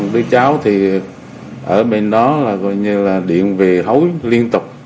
với cháu thì ở bên đó là gọi như là điện về hối liên tục